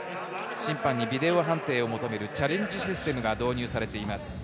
審判にビデオ判定を求めるチャレンジシステムが導入されています。